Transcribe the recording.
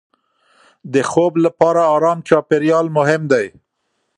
د خوب لپاره ارام چاپېریال مهم دی.